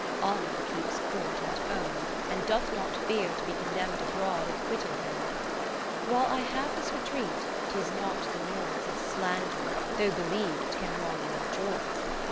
50 Honour keeps court at home, and doth not fear To be Gondemn'd abroad, if quitted there. While I have this retreat, 'tis not the noise Of slander, though believ'd, can wrong my joys.